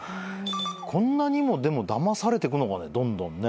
こんなにもでもだまされてくのかねどんどんね。